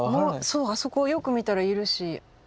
そうあそこよく見たらいるし。